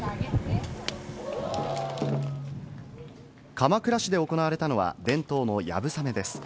鎌倉市で行われたのは、伝統の流鏑馬です。